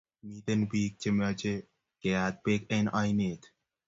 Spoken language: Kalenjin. Miten pik che mache keyat peek en oinet